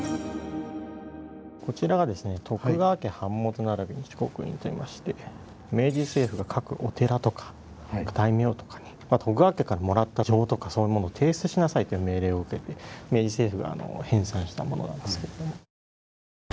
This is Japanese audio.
こちらがですね明治政府が各お寺とか大名とかに徳川家からもらった状とかそういうものを提出しなさいという命令を受けて明治政府が編纂したものなんですけれども。